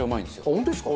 本当ですか？